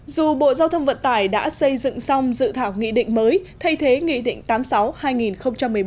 dù bộ giao thông vận tải đã xây dựng xong dự thảo nghị định mới thay thế nghị định tám mươi sáu hai nghìn một mươi bốn